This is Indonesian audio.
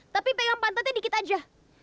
tapi pegang pantotnya dikit aja